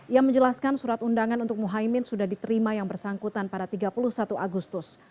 ia menjelaskan surat undangan untuk muhaymin sudah diterima yang bersangkutan pada tiga puluh satu agustus